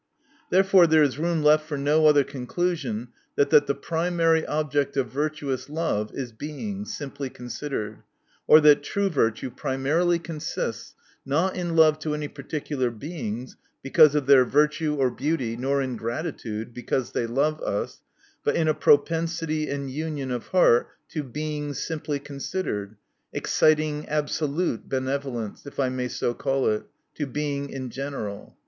Therefore there is room left for no other conclusion than that the primary object of virtuous love is Being, simply considered ; or, that true virtue primarily consists, not in love to any particular Beings, because of their virtue or beauty, nor in gratitude, because they love us ; but in a propensity and union of heart to Being simply considered ; exciting absolute benevolence (if I may so call it) to Being in general.